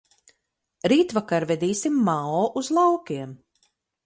Rītvakar vedīsim Mao uz laukiem.